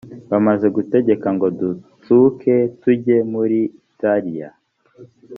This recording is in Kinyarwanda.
bamaze gutegeka ngo dutsuke tujye muri italiya